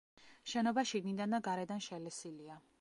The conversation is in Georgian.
შენობა შიგნიდან და გარედან შელესილია.